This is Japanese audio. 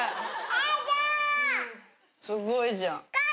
すごいじゃん。